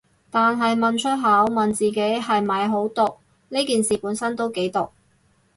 但係問出口，問自己係咪好毒，呢件事本身都幾毒